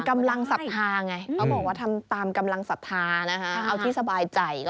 ตามกำลังศัพท์ธาไงเขาบอกว่าตามกำลังศัพท์ธานะคะเอาที่สบายใจ